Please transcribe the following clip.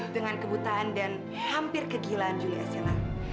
dengan kebutaan dan hampir kegilaan juli estella